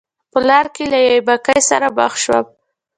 په لار کې له یوې بګۍ سره مخ شوم.